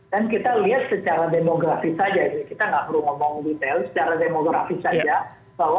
dan kita lihat secara demografis saja kita nggak perlu ngomong detail secara demografis saja bahwa